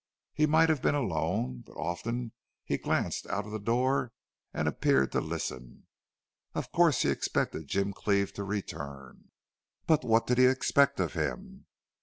He might have been alone. But often he glanced out of the door, and appeared to listen. Of course he expected Jim Cleve to return, but what did he expect of him?